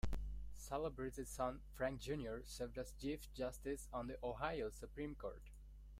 Celebrezze's son, Frank Junior served as Chief Justice on the Ohio Supreme Court.